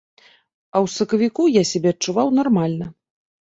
А ў сакавіку я сябе адчуваў нармальна.